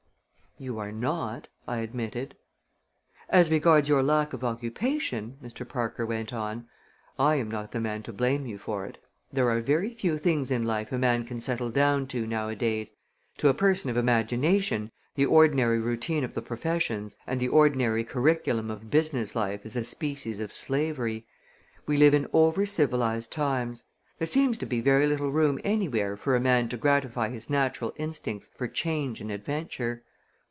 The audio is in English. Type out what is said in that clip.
"You are not," I admitted. "As regards your lack of occupation," Mr. Parker went on, "I am not the man to blame you for it. There are very few things in life a man can settle down to nowadays. To a person of imagination the ordinary routine of the professions and the ordinary curriculum of business life is a species of slavery. We live in overcivilized times. There seems to be very little room anywhere for a man to gratify his natural instincts for change and adventure."